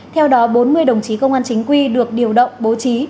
theo đó bốn mươi đồng chí công an chính quy được điều động bố trí